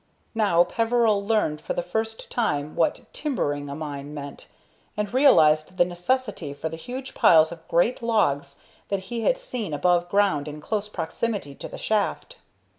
Now Peveril learned for the first time what "timbering" a mine meant, and realized the necessity for the huge piles of great logs that he had seen above ground in close proximity to the shaft.